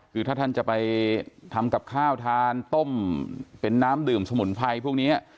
คือถ้าท่านจะไปทำกับข้าวทานต้มเป็นน้ำดื่มสมุนไพรพวกนี้